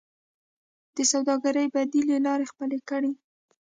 د سوداګرۍ بدیلې لارې خپلې کړئ